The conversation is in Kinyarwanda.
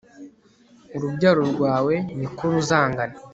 Urubyaro rwawe ni ko ruzangana